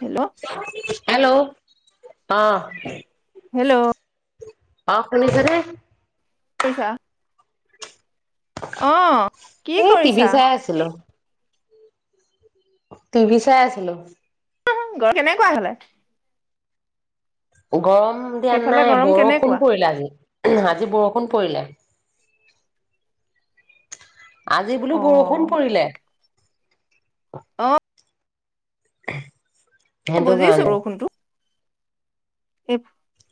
Hello hello অ hello অ শুনিছেনে পইছা অ কি এই টিভি কৰিছা চাই আছিলো টিভি চাই আছিলো [unintelligible] ঘৰ কেনেকুৱা হলে গৰম ম দিয়া সেইফালে নাই গৰম বৰষুণ কেনেকুৱা পৰিলে আজি আজি বৰষুণ পৰিলে আজি বোলো বৰষুণ অ' পৰিলে। অ সেইটো বুজিছো কাৰণে বৰষুণতো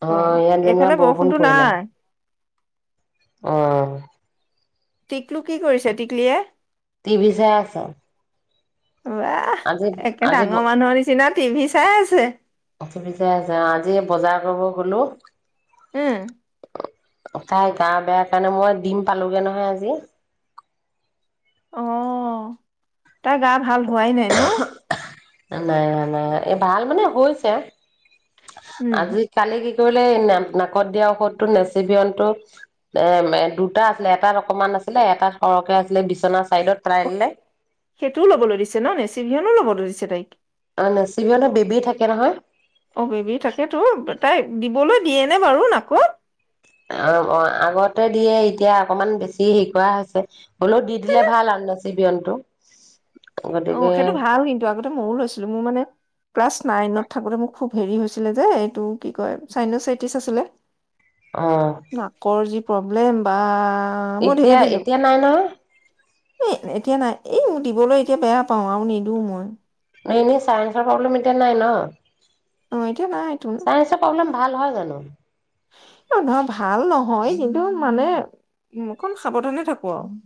অ ইয়াত যেনিবা এইফালে বৰষুণ বৰষুণটো পৰিলে নাই আহ টিকলু কি কৰিছে টিকলিয়ে টিভি চাই আছ ওৱাহ একে ডাঙৰ মানুহৰ নিচিনা টি ভি চাই আছে? অথনিতে যাওঁ, আজি বজাৰ কৰিব গ'লো উম। তাই গা বেয়া কাৰণে মই দিম পালোগে নহয় আজি। অ', তাৰ গা ভাল হোৱাই নাই ন? নাই হোৱা নাই হোৱা এই ভাল মানে হৈছে উম আজিকালি কি কৰিলে নাকত দিয়া ঔষধটো নেচিবিহনটো এ দুটা আছিলে এটাত অকমান আছিলে এটাত সৰহকে আছিলে বিচনাত অ', সেইটোও ল'বলৈ দিছে ন? নেচিভিয়নো ল'বলৈ দিছ অ' নেচিবিহনত বেবি থাকে নহয়। অ' বেবী তাকেতো ক'ত অ', অ', আগতে দিয়ে এতিয়া অকমান বেছি হেয়ি কৰা হৈছে হ'লেও, দি দিলে ভাল আৰু নেচিভিয়নটো। অ', সেইটো ভাল কিন্তু আগতে মইয়ো লৈছিলো মো মানে ক্লাছ নাইনত থাকোতে মোক খুব হেৰি হৈছিলে যে, এইটো কি কয় চাইনোচেটিচ আছিলে অ নাকৰ যি প্ৰব্লেম বা মই ধেৰ এতিয়া, দিলোঁ। এতিয়া নাই নহয়? এ এতিয়া নাই এই মোৰ দিবলৈ এতিয়া বেয়া পাওঁ আৰু নিদিওঁ মই। এনে চায়েন্সৰ প্ৰব্লেম এতিয়া নাই ন? অ', এতিয়া নাইতো। চাইন্সৰ প্ৰব্লেম ভাল হল জানো অ' ধৰক ভাল নহয়। কিন্তু মানে অকণ সাৱধানে থাকোঁ আৰু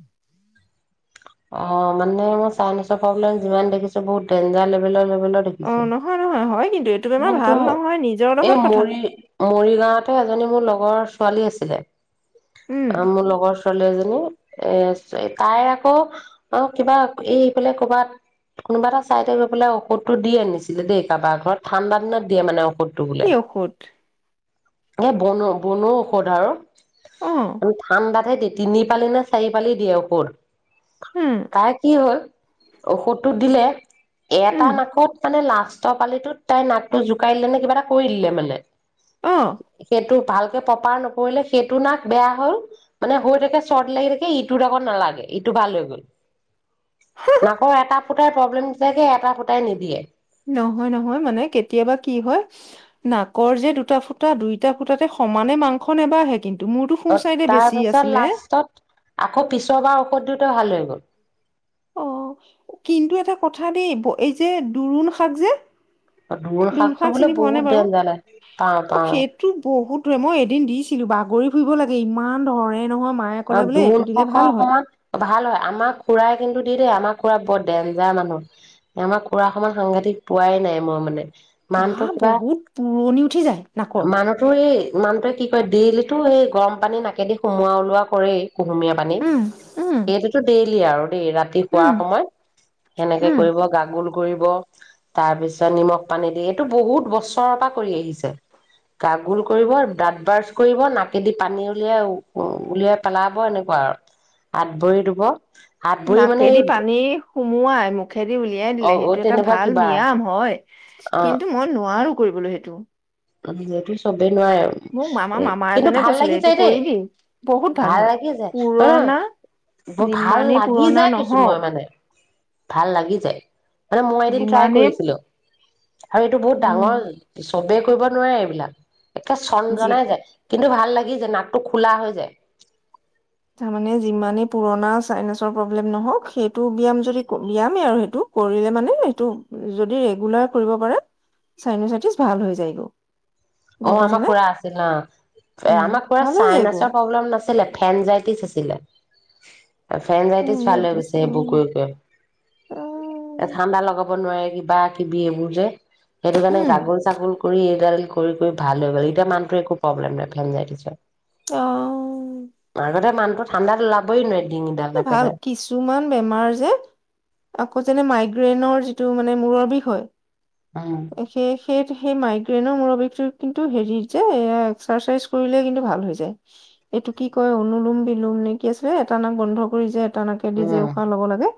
অ', মানে মই চাইনচৰ প্ৰব্লেম যিমান দেখিছো বহুত ডেঞ্জাৰ লেভেলৰ সিহঁতৰ দেখিছোঁ। অ', নহয় নহয় হয় কিন্তু এইটো বেমাৰ ভাল কিন্তু নহয় নিজৰ এই লগত কথা। মৰি মৰিগাওঁতে এজনী মোৰ লগ বৰ ছোৱালী আছিলে। উম, আ, মোৰ লগৰ ছোৱালী এজনী এ তাই আকৌ অ কিবা এইফালে কৰবাত কোনোবা এটা চাই থৈ গৈ পেলাই ঔষধতটো দি আনিছিলে দেই কাৰোবাৰ ঘৰত ঠাণ্ডা দিনত দিয়ে মানে ঔষধ কি ঔষধ অ' বনো বনো ঔষধ আৰু অ', আমি ঠাণ্ডাতেই দি তিনি পালি নে চাৰি পালি দিয়ে ঔষদ উম, তাইৰ কি হ'ল ঔষধটো দিলে। এটা উম, নাকত মানে লাষ্ট [inaudible] পালিটোত তাই নাকটো জোকাৰি দিলে নে কিবা এটা কৰি দিলে মানে অ'। সেইটো ভালকে প্ৰ'পাৰ নকৰিলে সেইটো নাক বেয়া হ'ল মানে হৈ থাকে চৰদি লাগি থাকে ইটো আকৌ নালাগে ইটো ভাল হৈ গ'ল। নাকৰ এটা ফুটাই প্ৰব্লেম দি থাকে এটা ফুটাই নিদিয়ে। নহয়, নহয় মানে কেতিয়াবা কি হয় নাকৰ যে দুটা ফুটা দুইটা ফুটাতে সমানে মাংস নাবাঢ়ে কিন্তু। মোৰতো সোঁ অ' চাইডে বেছি তাৰপিছত আছিলে। লাষ্টত আকৌ পিছৰ বাৰ ঔষধ দিওঁ তে ভাল হৈ গ'ল। অ' কিন্তু এটা কথা দেই এই যে দোৰুণ শাক যে দোৰুণ দোৰোণ শাকটো শাক বোলে চিনি পোৱা নে বহুত বাৰু? ডেঞ্জাৰ আছে৷ পাওঁ অ', পাওঁ। সেইটো বহুত মই এদিন দিছিলো বাগৰি ফুৰিব লাগে ইমান ধৰে নহয়। মায়ে ক'লে অ' বোলে এইটো দোৰুণ দিলে শাকৰ ভাল হয়। অকনমান ভাল হয় আমাৰ খুৰাই কিন্তু দি দিয়ে আমাৰ খুৰা বৰ ডেঞ্জাৰ মানুহ। আমাৰ খুৰা সমান সাংঘাতিক পোৱাই নাই মই মানে। মানুহটো আঃ কিবা বহুত পুৰণি উঠি যায় নাকত। মানুহ টোৱে কি কৰে ডেইলি টো সেই গৰম পানী নাকেদি সোমোৱা ওলোৱা কৰেই। কুহুমীয়া পানীত উম, উম, সেইটোতো ডেইলি কি আৰু দেই ৰাতি উম, শোৱাৰ সময়ত সেনেকে উম। কৰিব, গাগ'ল কৰিব, তাৰ পিছত নিমখ পানী দি এইটো বহুত বছৰৰ পৰা কৰি আহিছে। গাগ'ল কৰিব, দাঁত ব্ৰাছ কৰিব, নাকে দি পানী উলিয়া উলিয়া পেলাব এনেকুৱা আৰু হাত ভৰি ধোব। হাত ভৰি মানে সোমোৱাই মোক মুখেদি উলিয়াই অ দিলে, অ সেইটো এটা তেনেকুৱা ভাল কিবা ব্যায়াম হয়, অ কিন্তু মই নোৱাৰো কৰিবলৈ সেই টো [unintelligible] নোৱাৰে, আমাৰ মামা এ-কিন্তু এজনে ভাল কৈছিলে লাগি এইটো যায় দেই, কৰিবি বহুত ভাল হয় লাগি যায়, পুৰণা অ', বৰ ভাল যিমানেই লাগি পুৰণা যাই কৈছোঁ নহওক মই মানে। ভাল লাগি যায়। মানে মই এদিন ট্ৰাই যিমানেই কৰিছিলোঁ। আৰু এইটো বহুত উম ডাঙৰ চবে ক কৰিব নোৱাৰে এইবিলাক একে যি চণজনাই যায়। কিন্তু ভাল লাগি যায়, নাকটো খোলা হৈ যায়। তাৰমানে যিমানেই পুৰণা চাইনাছৰ প্ৰব্লেম নহওঁক, সেইটো ব্যায়াম যদি-ব্যায়ামেই আৰু সেইটো, কৰিলে মানে সেইটো যদি ৰেগুলাৰ কৰিব পাৰে চাইনাচাইটিচ ভাল হৈ যায়গৈ। গম অ', আমাৰ পাইছানে খুৰা আছিল অ', উম আমাৰ খুৰাৰ ভাল হৈ যায়গৈ চাইনাছৰ প্ৰব্লেম নাছিলে ফেনজাইটিছ আছিলে। ফেনজাইটিছ ভাল হৈ গৈছে সেইবোৰ কৰি উম কৰি। এ ঠাণ্ডা লগাক [unintelligible] কিবা কিবি এইবোৰ যে সেইটো কাৰণে গাগুল-চাগুল কৰি এইডাল কৰি কৰি ভাল হৈ গল। এতিয়া মানুহটো একো প্ৰব্লেম নাই। [unintelligible] আগতে মান ঠাণ্ডাত ওলাবই নোৱাই। ভাল। কিছুমান বেমাৰ যে, আকৌ যেনে মাইগ- ব্ৰেইনৰ যিটো মানে মূৰৰ বিষ হয়। উম, সেই সেই সেই মাইগ্ৰেইনৰ মুৰৰ বিষ- কিন্তু হেৰিত যে এ এক্সাৰচাইজ কৰিলে কিন্তু ভাল হৈ যায়। এইটো কি কয় অনুুলোম বিলোম নে কি আছিলে, এটানাক বন্ধ কৰি যে টা নাকে দি যে উম, উশাহ ল'ব লাগে।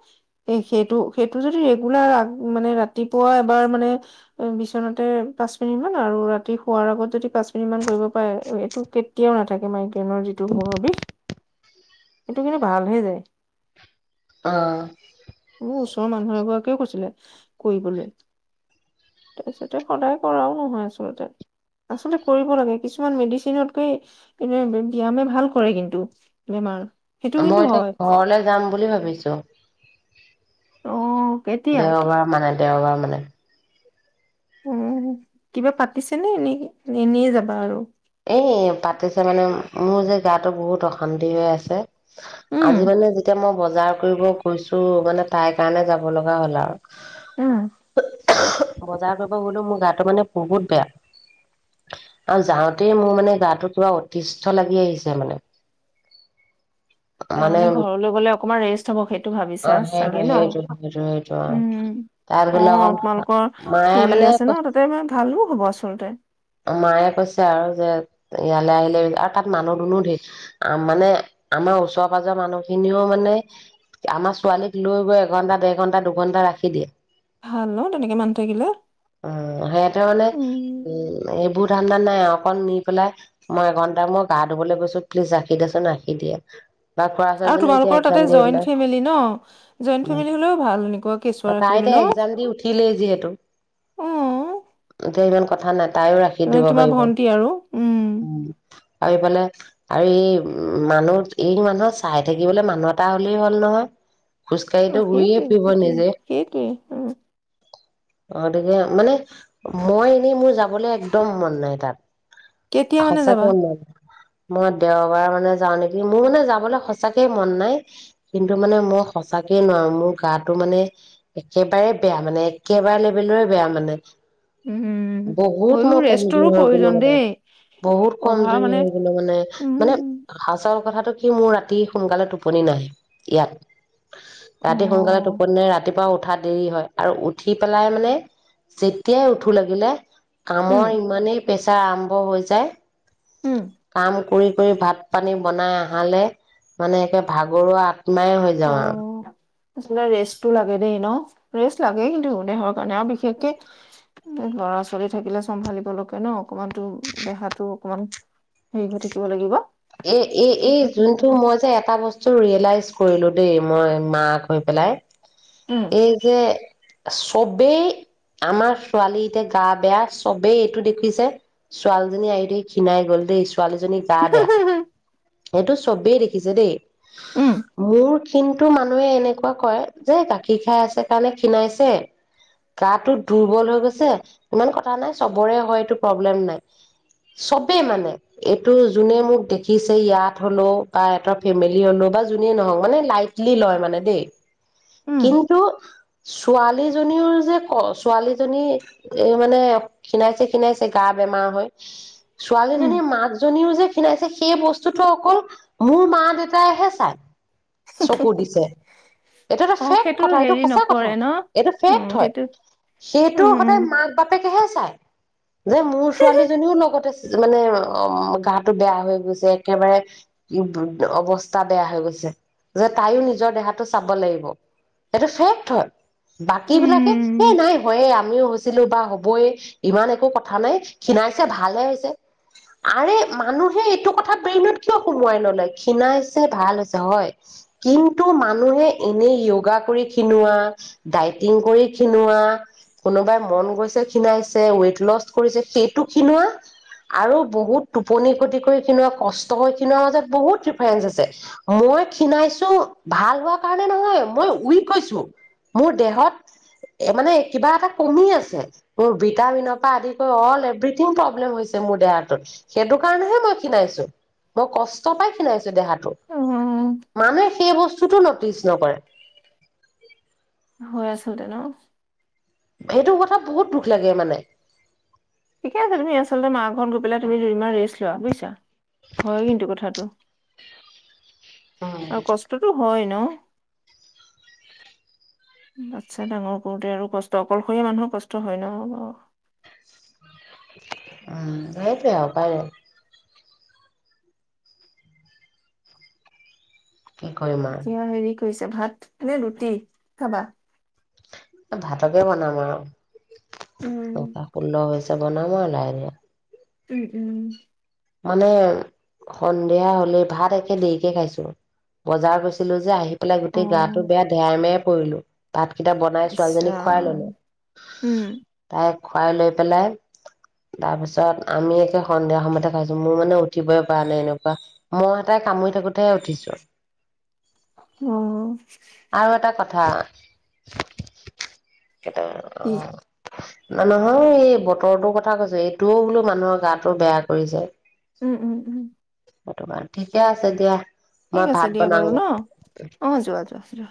এ সেইটো সেইটো যদি ৰেগুলাৰ আগ, মানে ৰাতিপুৱা এবাৰ মানে- বিচনাতে পাঁচ মিনিট মান আৰু ৰাতি শোৱাৰ আগত যদি পাঁচ মিনিট মান কৰিব পাৰে, এইটো কেততিয়াও নাথাকে মাইগ্ৰেইনৰ যিটো মূৰৰ বিষ। সেইটো কিন্তু ভাল হৈ যায়। অ'। উম, ওচৰ মানুহ এগৰাকীয়েও কৈছিলে, কৰিবলে। তাৰপিছতে সদায় কৰাও নহয় আচলতে। আচলতে কৰিব লাগে। কিছুমান মেডিচিনতকৈ এনে বি ব্যায়ামে ভাল কৰে কিন্তু, বেমাৰ। সেইটো কিন্তু মই এতিয়া হয় ঘৰলে যাম বুলি ভাবিছো। অ'। দেওবাৰ মানে। দেওবাৰ মানে। উম, কিবা পাতিছেনে নে এনেই যাবা আৰু? এ, পাতিছে মানে- মোৰ যে গাটো বহুত অশান্তি হৈ আছে। আজি উম মানে যেতিয়া মই বজাৰ কৰিব কৈছোও মানে তাইৰ কাৰণে যাব লগা হ'ল আও। উম। [inaudible] বজাৰ কৰিব গলেও মোৰ গাটো মানে বহুত বেয়া। আৰু যাওঁ [unintelligible] মোৰ মানে গাটো পুৰা অতিষ্ঠ লাগি আহিছে মানে। মানে তাৰমানে ঘৰলৈ গলে অকণমান ৰেষ্ট হব, সেইটো ভাবিছা অ', সেইটো চাগে ন। সেইটো সেইটো সেইটো অ', তাত উম। গ'লে অকণ অঅ তোমালোকৰ মায়ে খুৰী আছে মানে ন তাতে মানে ভালো হ'ব আচলতে। মায়ে কৈছে আৰু যে ইয়ালে আহিলে, আৰু তাত মানুহ দুনু ধেৰ, মানে আমাৰ ওচৰ পাজৰ মানুহ খিনিও মানে আমাৰ ছোৱালীক লৈ গৈ এঘন্টা দেৰ ঘন্টা দুঘন্টা ৰাখি দিয়ে। ভাল ন তেনেকে মানুহ থকিলে। উম সিহঁতে মানে উম। এইবোৰ ধাণ্ডা নাই আ, অকণ নি পেলাই মই এঘন্টা মই গা ধুবলৈ গৈছো প্লিজ ৰাখি দেচোন, ৰাখি দিয়ে। বা খুৰা আৰু ছোৱালীজনীও এতিয়া তোমালোকৰ এক্জাম তাতে দি জইন উঠিলে ফেমিলি ন, জইন উম ফেমিলি হলেও ভাল এনেকুৱা কেঁচুৱা তাই ৰাখিবলৈ এতিয়া ন? এক্জাম দি উঠিলেই যিহেতু অ। [inaudible] দিব [unintelligible] তোমাৰ পাৰিব ভন্টি আৰু, উম। আৰু এইফালে আৰু এই মানুহ এই মানুহৰ চাই থাকিবলৈ মানুহ এটা হ'লেই হ'ল নহয়। খোজকাঢ়িতো ঘূৰিয়ে অ'সেইটোৱে ফুৰিব সেইটোৱে নিজে সেইটোৱে অ'। অ' তেতিয়া মানে মই এনেই মোৰ যা যাবলে একদম মন নাই তাত। কেতিয়া মানে যাবা সঁচাকৈ মন মই দেওবাৰ মানে যাওঁ নেকি। মোৰ মানে যাবলৈ সঁচাকেই মন নাই, কিন্তু মানে মই সঁচাকে নোৱাৰোঁ। মোৰ গাটো মানে, একেবাৰে বেয়া মানে, একেবাৰে লেবেলৰে বেয়া মানে। উম। বহুত হয়ো মই কমজোৰি ৰেষ্টৰো হৈ গ'লো প্ৰয়োজন মানে, দেই বহুত অভাৰ কমজোৰি মানে হৈ গ'লো মানে, মানে উম হাজা কথাটো কি মোৰ ৰাতি সোনকালে টোপনি নাহে, ইয়াত। অ ৰাতি সোনকালে টোপনি নাই ৰাতিপুৱা উঠ উঠা দেৰি হয় আৰু উঠি পেলাই মানে যেতিয়াই উঠো লাগিলে কামৰ উম ইমানেই পেচাৰ আৰম্ভ হৈ যায়। উম কাম কৰি। কৰি ভাত পানী বনাই আহালে মানে একে ভাগৰুৱা আত্মাই হৈ অ যাওঁ আৰু আচলতে ৰেষ্টটো লাগে দেই ন, ৰেষ্ট লাগেই কিন্তু দেহৰ কাৰণে আৰু বিশেষকে ল'ৰা-ছোৱালী থাকিলে চম্ভালিব লগে ন, অকমানতো দেহাতো অকমান হেৰি হৈ থাকিব লাগিব। এ-এ-এই সেইটো যোনটো কথাটো মই যে এটা বস্তু ৰিয়েলাইজ কৰিলো দেই মই মাক হৈ পেলাই। উম এই যে চবেই আমাৰ ছোৱালী এতিয়া গা বেয়া চবেই এইটো দেখিছে ছোৱালীজনী আই অ' দেহি ক্ষীণাই গ'ল দেই ছোৱালীজনী গা বেয়া। এইটো চবেই দেখিছে দেই। উম মোৰ কিন্তু মানুহে এনেকুৱা কৰে যে গাখীৰ খাই আছে কাৰণে ক্ষীণাইছে, গাটো দুৰ্বল হৈ গৈছে, ইমান কথা নাই চবৰে হয়। এইটো প্ৰব্লেম নাই। চবেই মানে এইটো যোনে মোক দেখিছে এই ইয়াত হলোঁ বা এটা ফেমিলি হলোঁ বা যোনে নহওঁক মানে লাইটলি লয় মানে দেই। উম কিন্তু ছোৱালীজনীৰও যে ক ছোৱালীজনী এ, মানে খীণাইছে খীণাইছে গা বেমাৰ হৈ। উম ছোৱালীজনীৰ মাকজনীও যে খীনাইছে সেই বসত বস্তুটো অকল মোৰ মা দেউতাইহে চাই। চকু দিছে। এইটো এটা অ ফেক্ট সেইটোৰ কথা এইটো হেৰি সঁচা কথা, নকৰে ন এইটো উম ফেক্ট হয়, সেইটো সেইটো সদায় উম মাক বাপেকেহে চাই। যে মোৰ ছোৱালীজনীও লগতে মানে অ, গাটো বেয়া হৈ গৈছে। একেবাৰে [unintelligible] অৱস্থা বেয়া হৈ গৈছে, যে তাইও নিজৰ দেহাটো চাব লাগিব। এইটো ফেক্ট হয়। বাকী বিলাকে, এই উম নাই হয়ে আমিও হৈছিলো বা হ'বই ইমান একো কথা নাই খীণাইছে ভালহে হৈছে ব্ৰেইনত কিয় সোমোৱাই নলয় খীণাইছে ভাল হৈছে হয়, কিন্তু মানুহে এনেই য়োগা কৰি ক্ষিনোৱা, ডাইটিং কৰি ক্ষিনোৱা কোনোবাই মন গৈছে ক্ষিনাইছে ৱেইট লচ কৰিছে সেইটো ক্ষিনোৱা আৰু বহুত টোপনি কতি কৰি ক্ষিনোৱা কষ্ট হৈ ক্ষিনোৱা মাজত বহুত ডিফাৰেঞ্চ আছে, মই ক্ষিনাইছো ভাল হোৱা কাৰণে নহয় মই উইক হৈছো, মোৰ দেহত মানে কিবা এটা কমি আছে মোৰ ভিটামিনৰ পৰা আদি কৰি অল এভ্ৰিথিং প্ৰব্লেম হৈছে মোৰ দেহাটোত সেইটো কাৰণেহে মই ক্ষিনাইছো। অ' কষ্ট পাই ক্ষীণাইছে। দেহাটো। অ মানুহে সেই বস্তুতটো ন পিছ নকৰে। হয় আচলতে ন এইটো কথাত বহুত দোষ লাগে মানে ঠিকে আছে, তুমি আচলতে মা ঘৰত গৈ পেলাই তুমি দুদিমান ৰেষ্ট লোৱা বুজিছা হয়, কিন্তু কথাটো। আৰু কষ্টতটো হয় এনেও আচ্ছা ডাঙৰ কৰোঁতে আৰু কষ্ট অকলশৰীয়া মানুহৰ কষ্ট হয় নহয় অ' অ', সেইটোৱে আৰু পাৰে। কি কৰিম আৰু? এতিয়া [unintelligible] ভাত নে ৰুটি খাবা? ভাতকে বনাম আৰু। উম টকা ষোল্লহাজাৰ। বনাম আৰু লাহে লাহে। উম, উম। মানে, সন্ধিয়া হ'লে ভাত একে দেৰিকে খাইছোঁ, বজাৰ গৈছিলোঁ যে, আহি। পেলাই অ গোটেই গাটো বেয়া [unintelligible] কৰিলোঁ। ভাতকেইটা বনাই, ইচ ছোৱালীজনীক খুৱাই ৰাম ল'লোঁ। উম তাইক। খুৱাই লৈ পেলাই, তাৰ পিছত আমি একে সন্ধিয়া সময়তে খাইছোঁ। মোৰ মানে উঠিবই পৰা নাই। এনেকুৱা, মই এটাই কামুৰি থাকোতেহে উঠিছোঁ। অ'হ [unintelligible] কেইটা কি অ'। [unintelligible] এই বতৰটোৰ কথা কৈছোঁ, এইটোও বোলো মানুহৰ গাটো বেয়া কৰিছে। উম, উম, উম [unintelligible] ঠিকে আছে দিয়া। ঠিক মই আছে ভাত দিয়া বাৰু বনাওঁগে ন? অ, যোৱা, যোৱা, যোৱা।